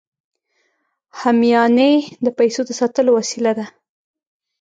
همیانۍ د پیسو د ساتلو وسیله ده